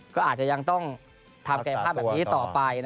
ก็อาจจะยังต้องทำกายภาพแบบนี้ต่อไป